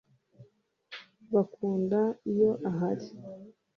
bakunda iyo ahari